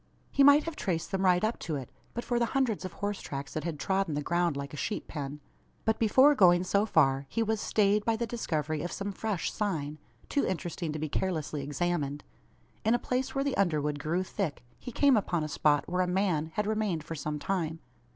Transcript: He might have traced them right up to it, but for the hundreds of horse tracks that had trodden the ground like a sheep pen. But before going so far, he was stayed by the discovery of some fresh "sign" too interesting to be carelessly examined. In a place where the underwood grew thick, he came upon a spot where a man had remained for some time.